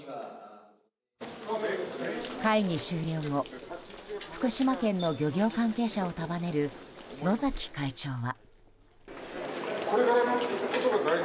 会議終了後福島県の漁業関係者を束ねる野崎会長は。